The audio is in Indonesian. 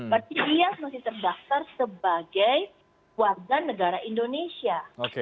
berarti dia masih terdaftar sebagai warga negara indonesia